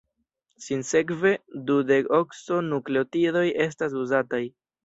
Sinsekve, dudeokso-nukleotidoj estas uzataj.